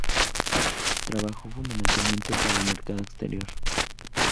Trabajó fundamentalmente para el mercado exterior.